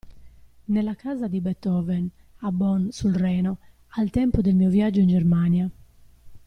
Nella casa di Beethoven, a Bonn sul Reno, al tempo del mio viaggio in Germania.